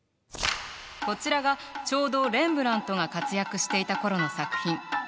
こちらがちょうどレンブラントが活躍していた頃の作品。